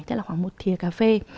tức là khoảng một thịa cà phê